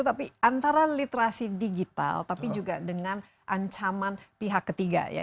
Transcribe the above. tapi antara literasi digital tapi juga dengan ancaman pihak ketiga ya